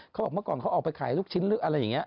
เขาบอกเมื่อก่อนเขาออกไปขายลูกชิ้นหรืออะไรอย่างนี้